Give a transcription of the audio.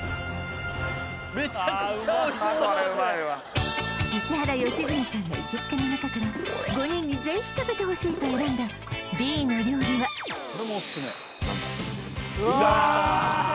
これうまいわ石原良純さんが行きつけの中から５人にぜひ食べてほしいと選んだＢの料理はうわ！